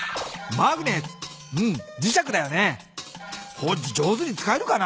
ホッジ上手に使えるかな？